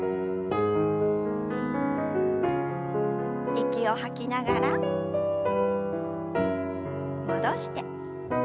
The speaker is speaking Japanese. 息を吐きながら戻して。